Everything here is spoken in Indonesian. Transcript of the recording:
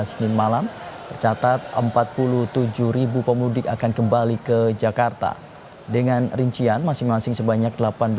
senin malam tercatat empat puluh tujuh pemudik akan kembali ke jakarta dengan rincian masing masing sebanyak